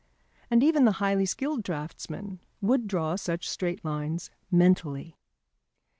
And even the highly skilled draughtsman would draw such straight lines mentally.